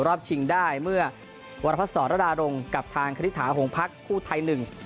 รอบชิงได้เมื่อวรพสรรดาลงกลับทางคฤทธาหงภักร์คู่ไทยหนึ่ง